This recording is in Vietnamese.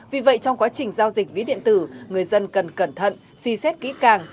vì vậy trong quá trình giao dịch ví điện tử người dân cần cẩn thận suy xét kỹ càng